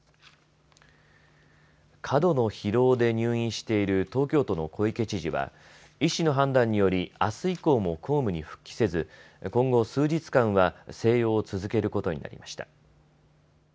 過度の疲労で入院している東京都の小池知事は医師の判断により、あす以降も公務に復帰せず、今後数日間は静養を続けることになりました。